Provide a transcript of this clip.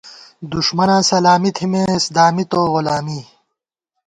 دُݭمَناں سلامی تھِمېس ، دامِتُوؤ غلامی